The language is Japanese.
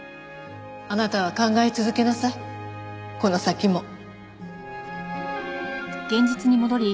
あなたは考え続けなさいこの先も。